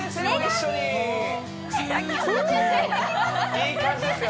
いい感じですよ